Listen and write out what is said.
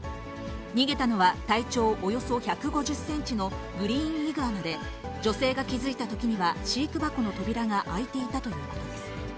逃げたのは体長およそ１５０センチのグリーンイグアナで、女性が気付いたときには、飼育箱の扉が開いていたということです。